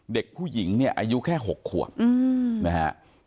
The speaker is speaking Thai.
เด็กผู้หญิงเนี่ยอายุแค่๖ขวบนะฮะ